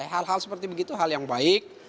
hal hal seperti begitu hal yang baik